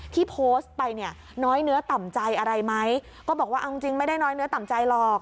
ที่โพสต์ไปเนี่ยน้อยเนื้อต่ำใจอะไรไหมก็บอกว่าเอาจริงไม่ได้น้อยเนื้อต่ำใจหรอก